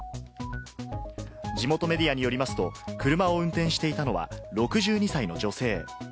地元メディアによりますと、車を運転していたのは６２歳の女性。